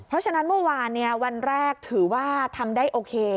เพราะฉะนั้นเมื่อวานวันแรกถือว่าทำได้โอเค